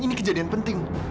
ini kejadian penting